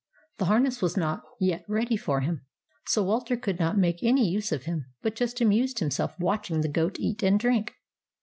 The harness was not yet ready for him, so Walter could not make any use of him, but just amused himself watching the goat eat and drink.